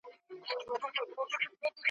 له دې مالت او له دې ښاره شړم ,